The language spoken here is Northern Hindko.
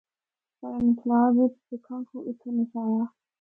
پر انقلاب بچ سکھاں کو اتھو نسایا۔